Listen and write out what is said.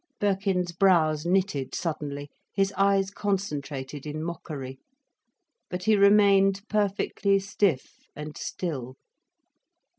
Birkin's brows knitted suddenly, his eyes concentrated in mockery. But he remained perfectly stiff and still.